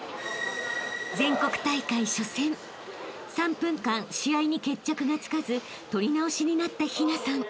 ［全国大会初戦３分間試合に決着がつかず取り直しになった陽奈さん］